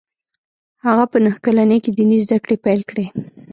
هغه په نهه کلنۍ کې ديني زده کړې پیل کړې